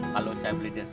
kalau saya beli di sana